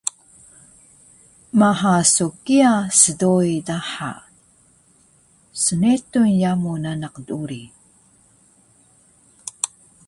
Maha so kiya sdoi daha snetur yamu nanak uri